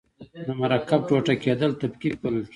د مرکب ټوټه کیدل تفکیک بلل کیږي.